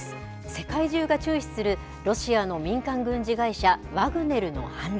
世界中が注視する、ロシアの民間軍事会社、ワグネルの反乱。